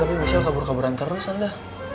tapi michelle kabur kaburan terus tante